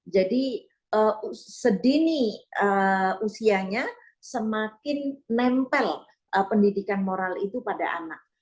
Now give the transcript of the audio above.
jadi sedini usianya semakin nempel pendidikan moral itu pada anak